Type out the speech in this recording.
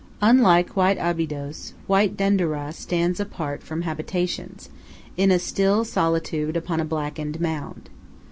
Unlike White Abydos, White Denderah stands apart from habitations, in a still solitude upon a blackened mound.